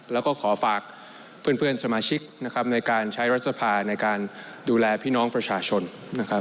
แล้วก็ขอฝากเพื่อนสมาชิกนะครับในการใช้รัฐสภาในการดูแลพี่น้องประชาชนนะครับ